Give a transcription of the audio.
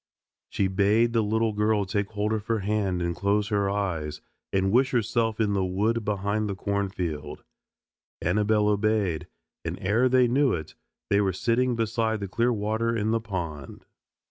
She bade the little girl take hold of her hand and close her eyes, and wish herself in the wood behind the cornfield. Annabelle obeyed, and ere they knew it they were sitting beside the clear water in the pond.